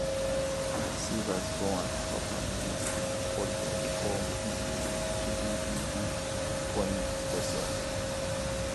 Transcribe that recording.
She was born at her family's holiday home in Kirribilli Point, Australia.